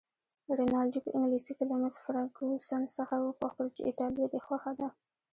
رینالډي په انګلیسي کې له مس فرګوسن څخه وپوښتل چې ایټالیه دې خوښه ده؟